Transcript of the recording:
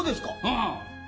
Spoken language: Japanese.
うん。